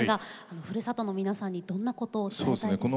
ふるさとの皆さんにどんなことを届けたいですか？